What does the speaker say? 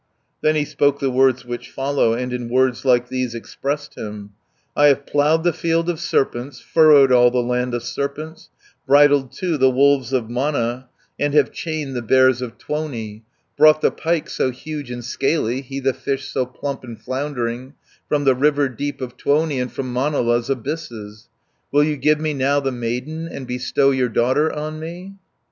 Then he spoke the words which follow, And in words like these expressed him: 320 "I have ploughed the field of serpents, Furrowed all the land of serpents; Bridled, too, the wolves of Mana, And have chained the bears of Tuoni; Brought the pike so huge and scaly, He the fish so plump and floundering, From the river deep of Tuoni, And from Manala's abysses. Will you give me now the maiden, And bestow your daughter on me?"